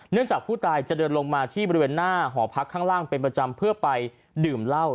จากผู้ตายจะเดินลงมาที่บริเวณหน้าหอพักข้างล่างเป็นประจำเพื่อไปดื่มเหล้า